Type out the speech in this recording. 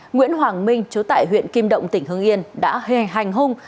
nguyễn hoàng minh chú tại huyện kim động tỉnh hưng yên đã hề hành hung